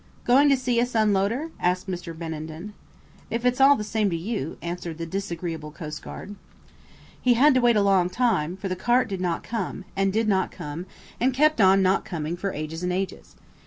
"Going to see us unload her?" asked Mr. Benenden. "If it's all the same to you," answered the disagreeable coastguard. He had to wait a long time, for the cart did not come, and did not come, and kept on not coming for ages and ages.